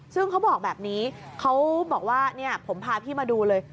ซึ่งเขาบอกแบบนี้เขาบอกว่าผมพาพี่มาดูเลย